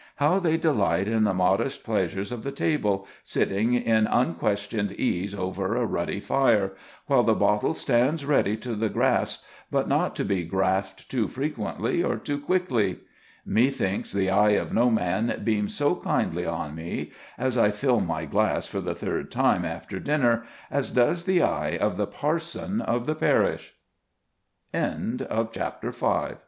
How they delight in the modest pleasures of the table, sitting in unquestioned ease over a ruddy fire, while the bottle stands ready to the grasp, but not to be grasped too frequently or too quickly. Methinks the eye of no man beams so kindly on me as I fill my glass for the third time after dinner as does the eye of the parson of the parish. VI. THE TOWN INCUMBENT.